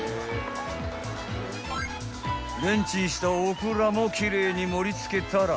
［レンチンしたオクラも奇麗に盛り付けたら］